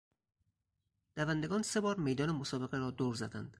دوندگان سه بار میدان مسابقه را دور زدند.